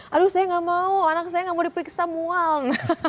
aduh saya nggak mau anak saya gak mau diperiksa mual